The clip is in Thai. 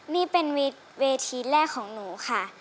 นี่เป็นเวทีแรกของหนูค่ะ